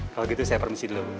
kalau gitu saya permisi dulu